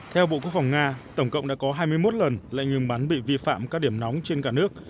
theo bộ quốc phòng nga tổng cộng đã có hai mươi một lần lệnh ngừng bắn bị vi phạm các điểm nóng trên cả nước